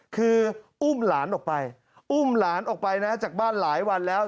คืออุ้มหลานออกไปอุ้มหลานออกไปนะจากบ้านหลายวันแล้ว